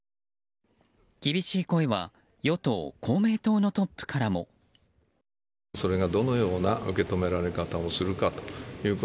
厳しい声は与党・公明党のトップからも。野党からは。